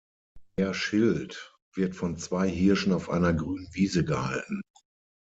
Der Schild wird von zwei Hirschen auf einer grünen Wiese gehalten.